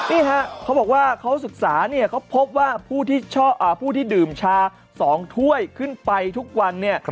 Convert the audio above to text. นี่ฮะเขาบอกว่าเขาศึกษาเนี่ยเขาพบว่าผู้ที่ดื่มชา๒ถ้วยขึ้นไปทุกวันเนี่ย